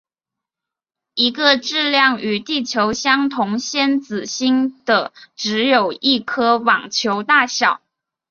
一个质量与地球相同先子星的只有一颗网球大小。